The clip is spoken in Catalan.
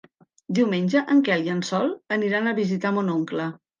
Diumenge en Quel i en Sol aniran a visitar mon oncle.